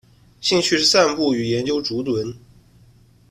兴趣是散步与研究竹轮。